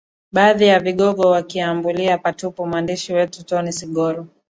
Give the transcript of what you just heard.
u baadhi ya vigogo wakiambulia patupu mwandishi wetu tony singoro